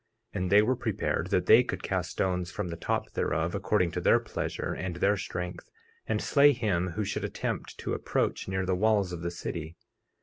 50:5 And they were prepared that they could cast stones from the top thereof, according to their pleasure and their strength, and slay him who should attempt to approach near the walls of the city.